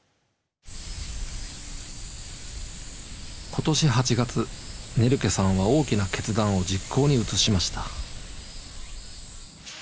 今年８月ネルケさんは大きな決断を実行に移しました。